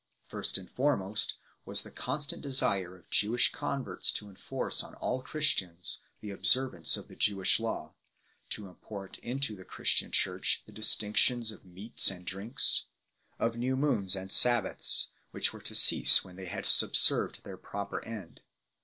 First and foremost was the con stant desire of Jewish converts to enforce on all Christians the observance of the Jewish law, to import into the Christian Church the distinctions of meats and drinks, of new moons and sabbaths, which were to cease when they had subserved their proper end 4